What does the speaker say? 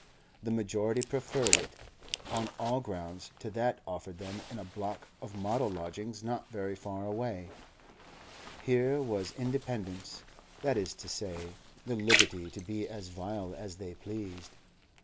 The majority preferred it, on all grounds, to that offered them in a block of model lodgings not very far away; here was independence, that is to say, the liberty to be as vile as they pleased.